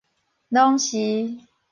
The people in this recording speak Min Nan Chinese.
攏是